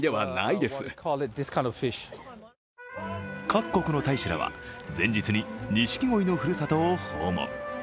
各国の大使らは、前日に錦鯉のふるさとを訪問。